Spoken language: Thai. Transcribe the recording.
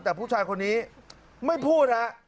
แต่ผู้ชายคนนี้ไม่พูดฮะ